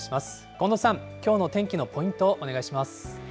近藤さん、きょうの天気のポイント、お願いします。